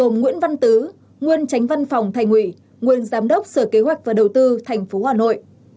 ông nguyễn văn tứ nguyên tránh văn phòng thành ủy nguyên giám đốc sở kế hoạch và đầu tư thành phố hà nội